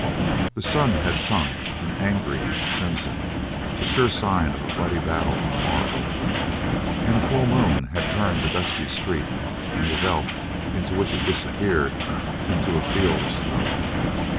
The sun had sunk an angry crimson, the sure sign of a bloody battle on the morrow, and a full moon had turned the dusty street and the veldt into which it disappeared into a field of snow.